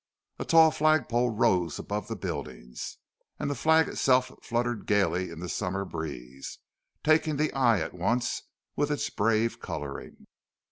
A tall flag pole rose above the buildings, and the flag itself fluttered gaily in the summer breeze, taking the eye at once with its brave colouring.